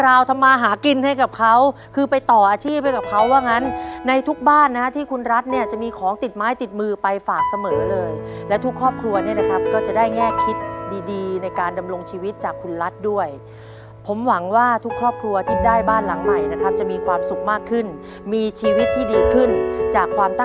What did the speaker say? เราทำมาหากินให้กับเขาคือไปต่ออาชีพให้กับเขาว่างั้นในทุกบ้านนะฮะที่คุณรัฐเนี่ยจะมีของติดไม้ติดมือไปฝากเสมอเลยและทุกครอบครัวเนี่ยนะครับก็จะได้แง่คิดดีดีในการดำรงชีวิตจากคุณรัฐด้วยผมหวังว่าทุกครอบครัวที่ได้บ้านหลังใหม่นะครับจะมีความสุขมากขึ้นมีชีวิตที่ดีขึ้นจากความตั้ง